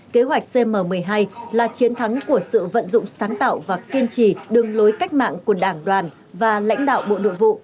kế hoạch cm một mươi hai là chiến thắng của sự vận dụng sáng tạo và kiên trì đường lối cách mạng của đảng đoàn và lãnh đạo bộ nội vụ